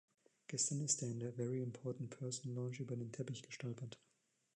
Gestern ist er in der "Very Important Person Lounge" über den Teppich gestolpert.